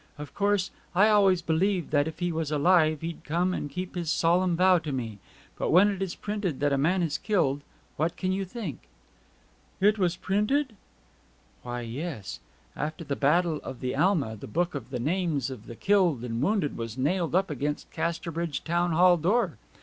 Of course I always believed that if he was alive he'd come and keep his solemn vow to me. But when it is printed that a man is killed what can you think?' 'It was printed?' 'Why, yes. After the Battle of the Alma the book of the names of the killed and wounded was nailed up against Casterbridge Town Hall door.